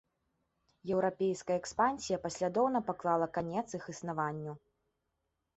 Еўрапейская экспансія паслядоўна паклала канец іх існаванню.